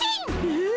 え！